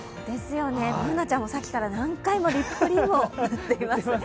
Ｂｏｏｎａちゃんもさっきから何回もリップクリームを塗っていました。